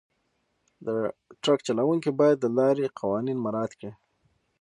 د ټرک چلونکي باید د لارې قوانین مراعات کړي.